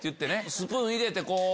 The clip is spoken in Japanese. スプーン入れてこう。